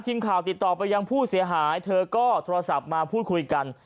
ทีมข่าวติดต่อไปยังผู้เสียหายเธอก็โทรศัพท์มาพูดคุยกัน